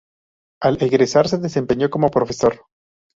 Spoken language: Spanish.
Al egresar se desempeñó como profesor.